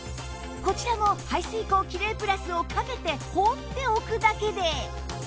こちらの排水口キレイプラスをかけて放っておくだけで